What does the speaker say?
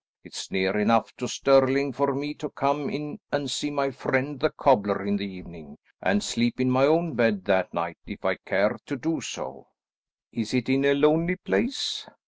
It's near enough to Stirling for me to come in and see my friend the cobbler in the evening, and sleep in my own bed that night, if I care to do so." "Is it in a lonely place?"